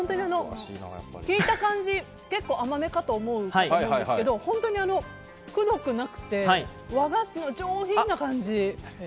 結構甘めかと思うんですけど本当に、くどくなくて和菓子の上品な感じ。